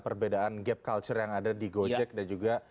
perbedaan gap culture yang ada di gojek dan juga